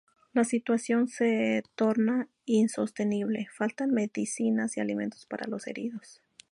La situación se torna insostenible, faltan medicinas y alimentos para los heridos.